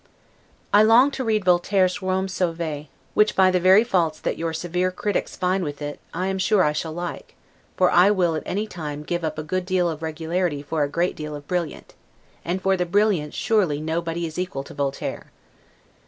I long to read Voltaire's 'Rome Sauvee', which, by the very faults that your SEVERE critics find with it, I am sure I shall like; for I will at an any time give up a good deal of regularity for a great deal of brillant; and for the brillant surely nobody is equal to Voltaire.